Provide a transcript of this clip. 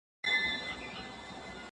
جانان چې داسې خوی کوي صبر به شينه